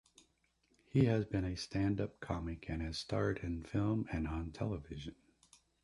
He has been a stand-up comic and has starred in film and on television.